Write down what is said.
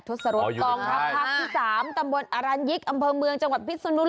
ศรษกองทัพภาคที่๓ตำบลอรัญยิกอำเภอเมืองจังหวัดพิศนุ